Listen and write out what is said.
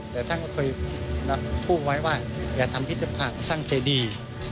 แต่ท่านก็เคยพูดไว้ว่าอย่าทำพิธภัณฑ์สร้างเจดี